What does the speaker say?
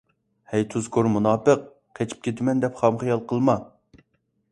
ھەي تۇزكور مۇناپىق، قېچىپ كېتىمەن دەپ خام خىيال قىلما!